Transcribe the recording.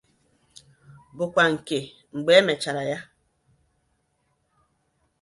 bụkwa nke mgbe e mechara ya